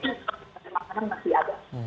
kalau untuk yang lainnya makanan masih ada